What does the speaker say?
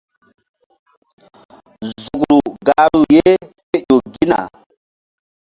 Zukru gahru ye ke ƴo gina.